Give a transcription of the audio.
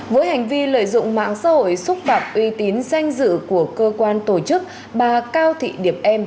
với hành vi lợi dụng mạng xã hội xúc phạm uy tín danh dự của cơ quan tổ chức bà cao thị điệp em